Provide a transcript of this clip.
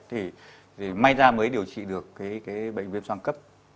thì may ra mới điều trị được cái bệnh viêm soàn cấp